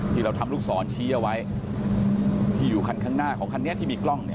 ที่เราทำลูกศรชี้เอาไว้ที่อยู่คันข้างหน้าของคันนี้ที่มีกล้อง